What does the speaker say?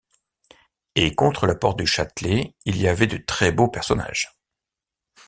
Et contre la porte du Châtelet, il y avait de très beaux personnages!